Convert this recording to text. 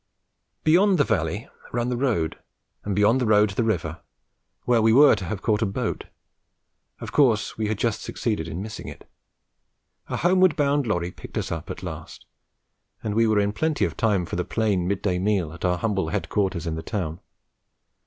Beyond the valley ran the road, and beyond the road the river, where we were to have caught a boat. Of course we had just succeeded in missing it. A homeward bound lorry picked us up at last. And we were in plenty of time for the plain mid day meal at our humble headquarters in the town.